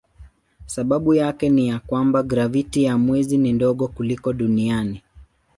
Sababu yake ni ya kwamba graviti ya mwezi ni ndogo kuliko duniani.